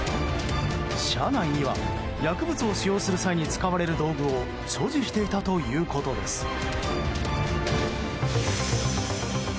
車内には薬物を使用する際に使われる道具を所持していたということです。